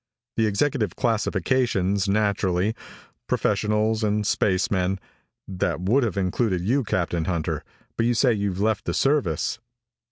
"The executive classifications, naturally professionals, and spacemen. That would have included you, Captain Hunter, but you say you've left the service."